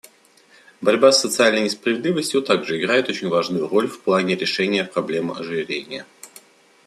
Борьба с социальной несправедливостью также играет очень важную роль в плане решения проблемы ожирения.